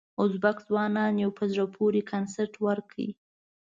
ازبک ځوانانو یو په زړه پورې کنسرت ورکړ.